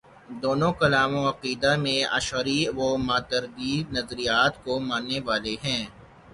دونوں کلام و عقیدہ میں اشعری و ماتریدی نظریات کو ماننے والے ہیں۔